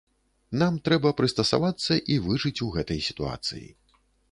Нам трэба прыстасавацца і выжыць у гэтай сітуацыі.